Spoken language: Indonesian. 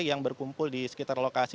yang berkumpul di sekitar lokasi